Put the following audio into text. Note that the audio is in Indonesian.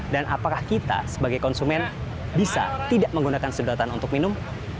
dan apakah kita sebagai konsumen bisa tidak menggunakan sedotan untuk minum